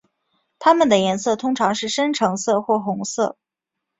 它们的颜色通常是深橙色或红色。